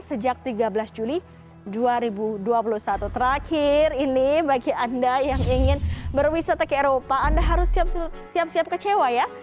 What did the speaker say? sejak tiga belas juli dua ribu dua puluh satu terakhir ini bagi anda yang ingin berwisata ke eropa anda harus siap siap kecewa ya